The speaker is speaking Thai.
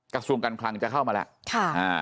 กระทรวงการคลังจะเข้ามาแล้ว